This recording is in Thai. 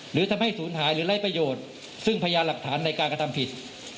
หรือทำให้ศูนย์หายหรือไร้ประโยชน์ซึ่งพยานหลักฐานในการกระทำผิด